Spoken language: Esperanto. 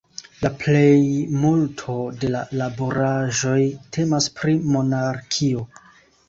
La plejmulto de la laboraĵoj temas pri monarkio.